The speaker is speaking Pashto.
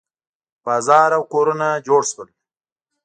بازار او کورونه جوړ شول.